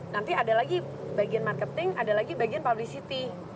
nanti ada lagi bagian marketing ada lagi bagian publicity